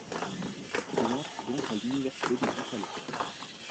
Il entre donc à l'université de Buffalo.